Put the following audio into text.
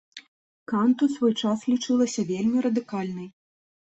Кант ў свой час лічылася вельмі радыкальнай.